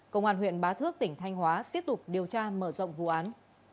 công an huyện bá thước tỉnh thanh hóa tiếp tục điều tra mở rộng vụ án